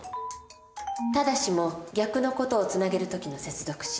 「ただし」も逆の事をつなげる時の接続詞。